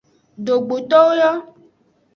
Dogbotowo yo.